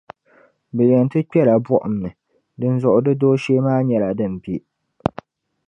Bɛ yɛn ti kpɛla buɣum ni, dinzuɣu di dooshee maa nyɛla din be.